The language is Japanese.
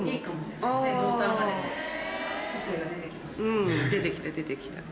うん出てきた出てきた。